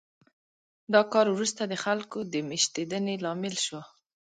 دا کار وروسته د خلکو د مېشتېدنې لامل شو